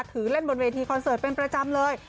ถือเล่นบนเวทีคอนเสิร์ตเป็นประจำเลย